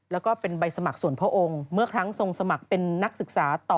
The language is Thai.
แล้วก็เป็นใบสมัครส่วนพระองค์เมื่อครั้งทรงสมัครเป็นนักศึกษาต่อ